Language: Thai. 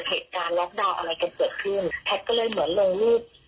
อยู่แบบว่าเป็นแบบห้อสพีเทียวอะไรอย่างนี้ค่ะ